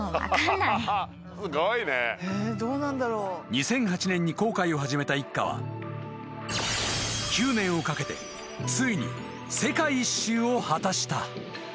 ［２００８年に航海を始めた一家は９年をかけてついに世界一周を果たした］